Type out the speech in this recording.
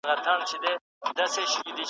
رنګین ګلونه پر ګرېوانه سول .